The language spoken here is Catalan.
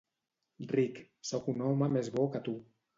Rick, soc un home més bo que tu.